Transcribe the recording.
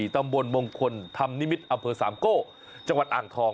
ตำบลมงคลถำนิมิศอำเภอ๓โก้จังหวัดอ่างทอง